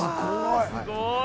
すごい！